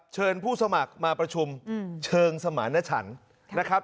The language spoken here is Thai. เชิญผู้สมัครมาประชุมเชิงสมาณฉันนะครับ